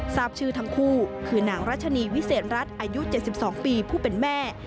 ทราบชื่อทั้งคู่คือนางรัชนีวิเศษรัฐอายุ๗๒ปีผู้เป็นแม่